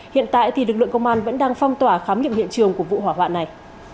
hiện tại lực lượng công an vẫn đang phong tỏa khám nghiệm hiện trường của vụ hỏa hoạn này